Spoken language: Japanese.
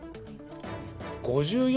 ５４